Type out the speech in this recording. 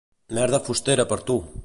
Merda fustera per tu.